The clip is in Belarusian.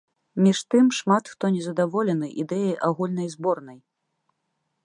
Між тым шмат хто незадаволены ідэяй агульнай зборнай.